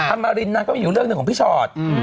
มารินนางก็มีอยู่เรื่องหนึ่งของพี่ชอต